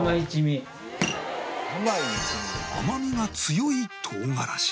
「甘みが強いとうがらし？」